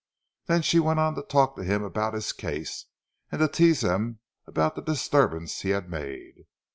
Then she went on to talk to him about his case, and to tease him about the disturbance he had made.